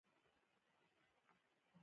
موږ ټول ترې ښکته شو.